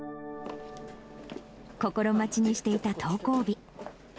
心待ちにしていた登校日。